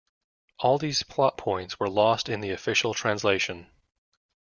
All these plot points were lost in the official translation.